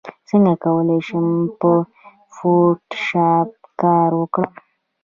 څنګه کولی شم په فوټوشاپ کار وکړم